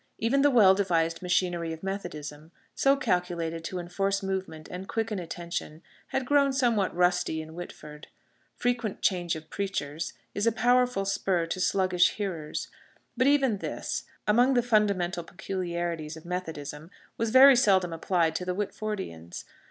Even the well devised machinery of Methodism, so calculated to enforce movement and quicken attention, had grown somewhat rusty in Whitford. Frequent change of preachers is a powerful spur to sluggish hearers; but even this among the fundamental peculiarities of Methodism was very seldom applied to the Whitfordians.